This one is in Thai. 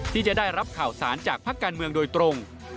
ที่จะได้รับข่าวสารจากภาคการเมืองโดยตรง